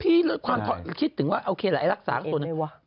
พี่คิดถึงว่าโอเคละรักษาของส่วน